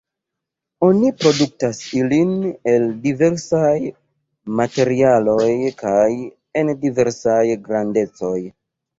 Oni produktas ilin el diversaj materialoj kaj en diversaj grandecoj.